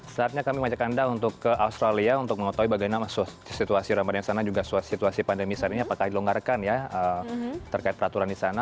saatnya kami mengajak anda untuk ke australia untuk mengetahui bagaimana situasi ramadan di sana juga situasi pandemi saat ini apakah dilonggarkan ya terkait peraturan di sana